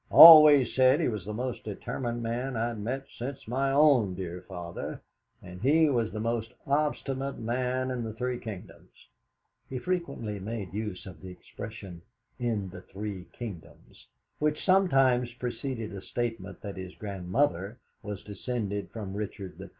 I always said he was the most determined man I'd met since my own dear father, and he was the most obstinate man in the three kingdoms!" He frequently made use of the expression "in the three kingdoms," which sometimes preceded a statement that his grandmother was descended from Richard III.